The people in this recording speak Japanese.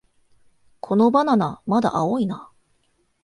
このバナナ、まだ青いな